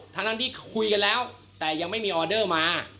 ทั้งนั้นที่คุยกันแล้วแต่ยังไม่มีออเดอร์มา